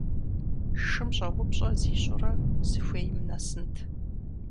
Шым щӏэупщӏэ зищӏурэ, зыхуейм нэсынт.